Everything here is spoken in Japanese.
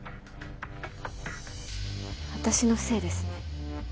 私のせいですね。